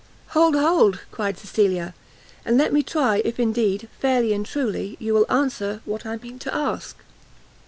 "Hold, hold," cried Cecilia, "and let me try if indeed, fairly and truly, you will answer what I mean to ask."